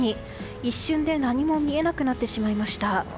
一瞬で何も見えなくなってしまいました。